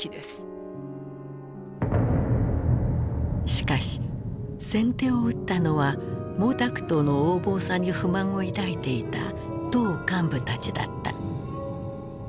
しかし先手を打ったのは毛沢東の横暴さに不満を抱いていた党幹部たちだった。